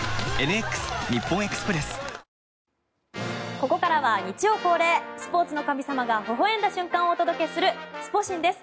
ここからは日曜恒例スポーツの神様がほほ笑んだ瞬間をお届けするスポ神です。